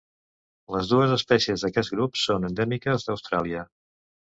Les dues espècies d'aquest grup són endèmiques d'Austràlia.